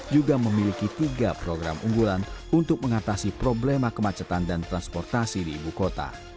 juga memiliki tiga program unggulan untuk mengatasi problema kemacetan dan transportasi di ibu kota